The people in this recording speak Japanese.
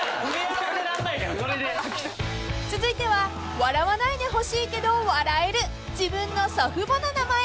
［続いては笑わないでほしいけど笑える自分の祖父母の名前］